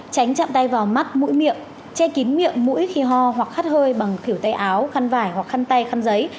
tránh chạm tay vào mắt mũi miệng che kín miệng mũi khi ho hoặc hắt hơi bằng khử tay áo khăn vải hoặc khăn tay khăn giấy